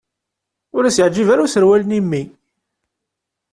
Ur as-yeɛǧib ara userwal-nni i mmi.